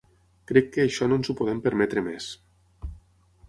Crec que això no ens ho podem permetre més.